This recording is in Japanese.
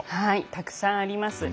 たくさんあります。